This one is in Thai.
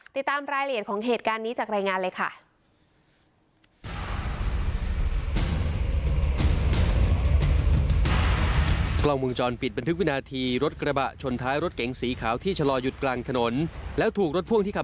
ติดตามรายละเอียดของเหตุการณ์นี้จากรายงานเลยค่ะ